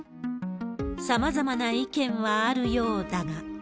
さまざまな意見はあるようだが。